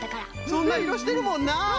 そんないろしてるもんな！